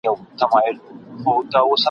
یوه ورځ به پلونه ګوري د پېړۍ د کاروانونو !.